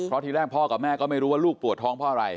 เพราะทีแรกพ่อกับแม่ก็ไม่รู้ว่าลูกปวดท้องเพราะอะไร